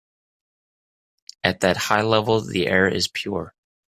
At that high level the air is pure.